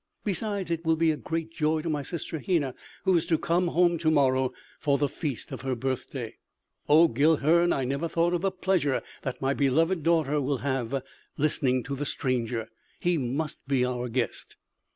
"Besides, it will be a great joy to my sister Hena who is to come home to morrow for the feast of her birthday." "Oh, Guilhern, I never thought of the pleasure that my beloved daughter will have listening to the stranger! He must be our guest!"